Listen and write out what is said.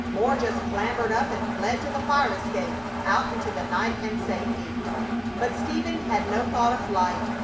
More just clambered up and fled to the fire escape, out into the night and safety. But Stephen had no thought of flight.